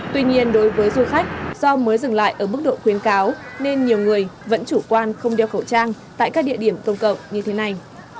tuy nhiên đối với du khách do mới dừng lại ở mức độ khuyến cáo nên nhiều người vẫn chủ quan không đeo khẩu trang tại các địa điểm công cộng như thế này